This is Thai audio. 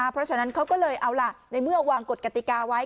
เพราะฉะนั้นเขาก็เลยเอาล่ะในเมื่อวางกฎกติกาไว้